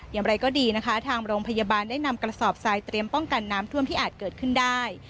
อย่างไรก็ดีนะคะทางโรงพยาบาลได้นำกระสอบทรายเตรียมป้องกันน้ำท่วมที่อาจเกิดขึ้นได้